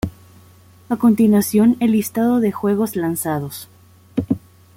A continuación el listado de juegos lanzados.